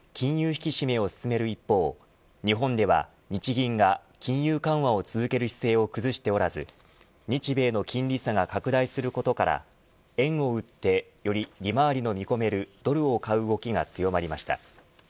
引き締めを進める一方日本では日銀が金融緩和を続ける姿勢を崩しておらず日米の金利差が拡大することから円を売ってより利回りの見込めるドルを買う動きが強まりました。